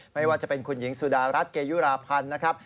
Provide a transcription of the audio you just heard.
ไม่ว่าจะเป็นคุณหญิงสุดารัฐเกยุราพันธ์นะครับ